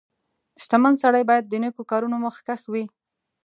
• شتمن سړی باید د نیکو کارونو مخکښ وي.